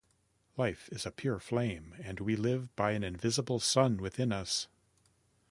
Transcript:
Life is a pure flame, and we live by an invisible Sun within us.